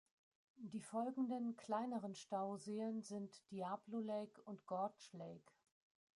Die folgenden, kleineren Stauseen sind Diablo Lake und Gorge Lake.